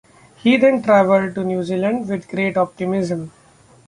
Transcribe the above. He then travelled to New Zealand with great optimism.